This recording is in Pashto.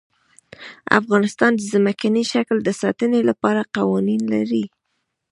افغانستان د ځمکنی شکل د ساتنې لپاره قوانین لري.